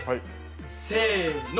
せの。